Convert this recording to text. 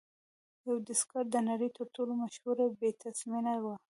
یوديوسکر د نړۍ تر ټولو مشهوره بیټسمېنه وه.